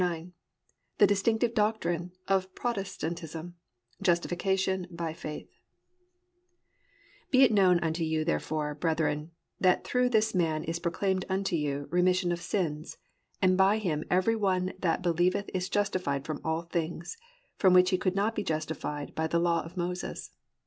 IX THE DISTINCTIVE DOCTRINE OF PROTESTANTISM: JUSTIFICATION BY FAITH "Be it known unto you therefore, brethren, that through this man is proclaimed unto you, remission of sins: and by him every one that believeth is justified from all things, from which he could not be justified by the law of Moses."